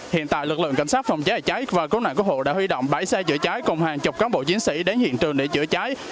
hiện tại lực lượng cảnh sát phòng cháy cháy và cứu nạn cứu hộ đã huy động bảy xe chữa cháy cùng hàng chục cán bộ chiến sĩ đến hiện trường để chữa cháy